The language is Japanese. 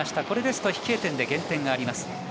これですと飛型点で減点があります。